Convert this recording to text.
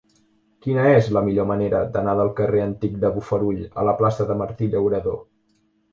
Quina és la millor manera d'anar del carrer Antic de Bofarull a la plaça de Martí Llauradó?